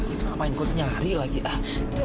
itu ngapain ikut nyari lagi ah